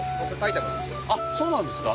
あっそうなんですか？